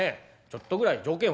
ちょっとぐらい条件